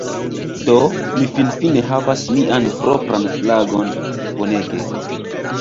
Do, mi finfine havas mian propran flagon! Bonege!